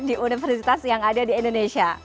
di universitas yang ada di indonesia